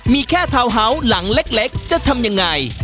มีแค่ทาวน์เฮาส์หลังเล็กจะทำยังไง